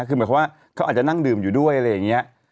คือหมายความว่าเขาอาจจะนั่งดื่มอยู่ด้วย